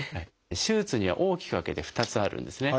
手術には大きく分けて２つあるんですね。